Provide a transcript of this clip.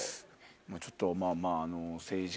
ちょっとまぁまぁ。